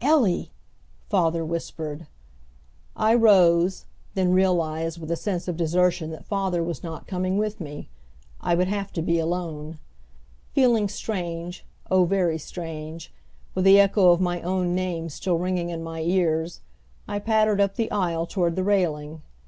"Ellie!" father whispered. I rose, then realized with a sense of desertion that father was not coming with me. I would have to be alone. Feeling strange, oh very strange, with the echo of my own name still ringing in my ears, I pattered up the aisle toward that railing.